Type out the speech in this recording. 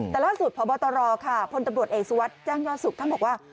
แต่ล่าสุดพอบตรค่ะพลตำรวจเอกสุวัตรจ้างยาศุกร์ท่านบอกว่า